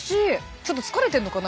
ちょっと疲れてんのかな。